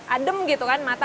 adem gitu kan mata